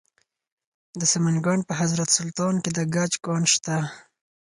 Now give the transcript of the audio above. د سمنګان په حضرت سلطان کې د ګچ کان شته.